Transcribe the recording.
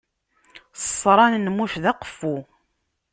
Ṣṣran n muc d aqeffu.